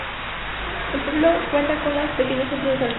El pueblo cuenta con un pequeño centro de salud.